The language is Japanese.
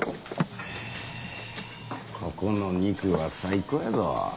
ここの肉は最高やぞ。